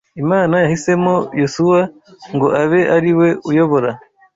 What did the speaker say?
Imana yahisemo Yosuwa ngo abe ari we uyobora